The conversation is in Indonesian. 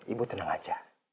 ibu tenang aja